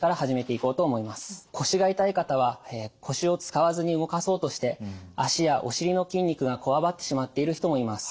腰が痛い方は腰を使わずに動かそうとして脚やお尻の筋肉がこわばってしまっている人もいます。